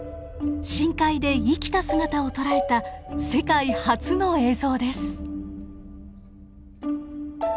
深海で生きた姿を捉えた世界初の映像です。